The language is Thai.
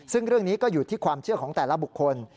ซึ่งเรื่องนี้ก็อยู่ที่ความเชื่อของแต่ละบุคคล